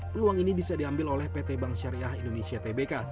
peluang ini bisa diambil oleh pt bank syariah indonesia tbk